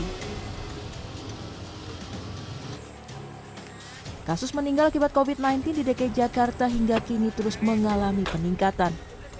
jadi kasus meninggal akibat covid sembilan belas di dekera jakarta hingga kini terus mengalami peningkatan